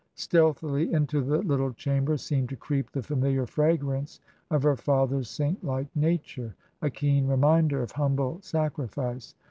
Stealthily into the little chamber seemed to creep the familiar fragrance of her father's saint like nature — a keen reminder of humble sacrifice.